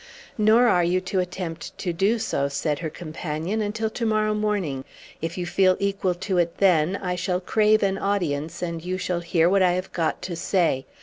"Nor are you to attempt to do so," said her companion, "until to morrow morning. If you feel equal to it then, I shall crave an audience, and you shall hear what I have got to say.